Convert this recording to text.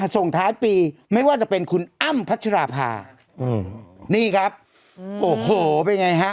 ส่งท้ายปีไม่ว่าจะเป็นคุณอ้ำพัชราภานี่ครับโอ้โหเป็นไงฮะ